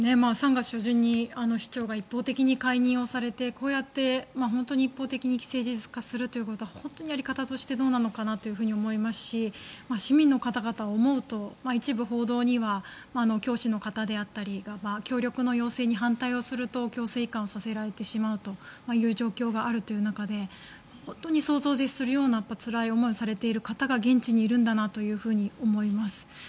３月初旬に市長が一方的に解任されて、こうやって一方的に既成事実化することはやり方としてどうなのかなと思いますし市民の方々を思うと一部報道には教師の方であったり協力の要請に反対をすると強制移管をさせられてしまうという状況がある中で本当に想像を絶するようなつらい思いをされている方が現地にいるんだなと思います。